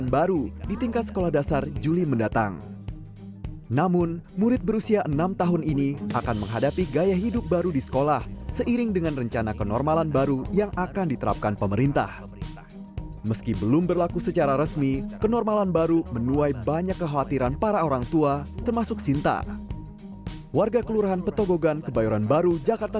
banyak kekhawatiran para orang tua termasuk sinta warga kelurahan petogogan kebayoran baru jakarta